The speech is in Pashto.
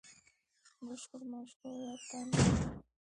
بشپړ مشروعیت تامین کړو